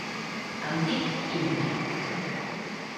Em dic Íngrid.